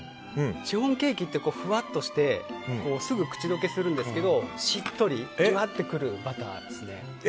シフォンケーキってふわっとしてすぐ口溶けするんですけどしっとり、じわってくるバターですね。